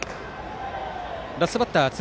ラストバッター辻